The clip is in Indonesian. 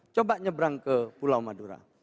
coba nyebrang ke pulau madura